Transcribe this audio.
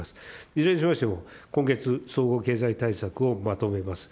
いずれにしましても、今月、総合経済対策をまとめます。